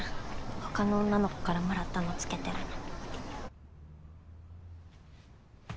他の女の子からもらったのつけてるの。